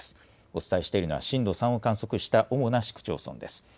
お伝えしているのは震度３を観測した主な市区町村です。